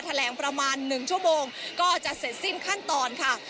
แถลงประมาณ๑ชั่วโมงก็จะเสร็จสิ้นขั้นตอนค่ะ